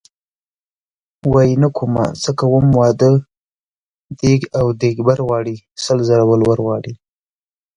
وايي نه کومه څه کوم واده دیګ او دیګبر غواړي سل زره ولور غواړي .